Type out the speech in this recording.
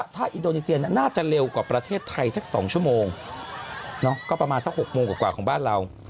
ถ้าอินโดนีเซียน่าจะเร็วกว่าประเทศไทยสัก๒ชั่วโมงก็ประมาณสัก๖โมงกว่าของบ้านเรา